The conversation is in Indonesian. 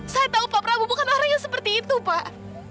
saya tahu pak prabowo bukan orang yang seperti itu pak